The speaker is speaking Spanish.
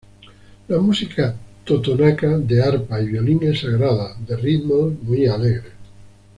La música totonaca de arpa y violín es sagrada, de ritmos muy alegres.